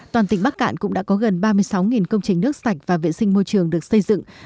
toàn tỉnh bắc cạn cũng đã có gần ba mươi sáu công trình nước sạch và vệ sinh môi trường được xây dựng